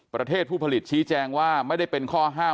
ประเทศผู้ผลิตชี้แจงว่าไม่ได้เป็นข้อห้าม